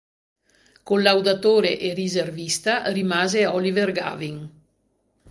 Collaudatore e riservista rimase Oliver Gavin.